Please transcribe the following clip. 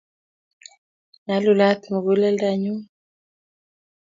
Nyalulat muguleldanyu;